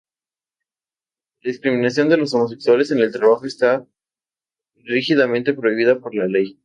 La discriminación de los homosexuales en el trabajo está rígidamente prohibida por ley.